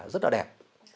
rất là đẹp